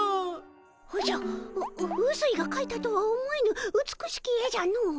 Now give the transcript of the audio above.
おじゃううすいがかいたとは思えぬ美しき絵じゃのう。